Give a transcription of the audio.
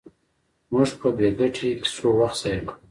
موږ په بې ګټې کیسو وخت ضایع کوو.